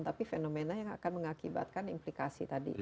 tapi fenomena yang akan mengakibatkan implikasi tadi